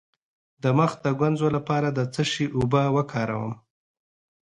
د مخ د ګونځو لپاره د څه شي اوبه وکاروم؟